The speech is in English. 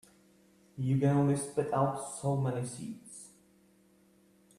You can only spit out so many seeds.